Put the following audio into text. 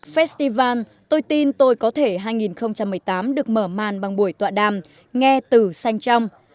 festival tôi tin tôi có thể hai nghìn một mươi tám được mở màn bằng buổi tọa đàm nghe từ xanh trong